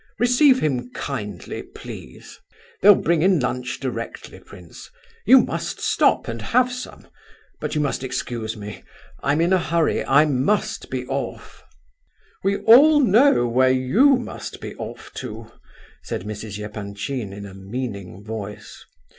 Receive him kindly, please. They'll bring in lunch directly, prince; you must stop and have some, but you must excuse me. I'm in a hurry, I must be off—" "We all know where you must be off to!" said Mrs. Epanchin, in a meaning voice.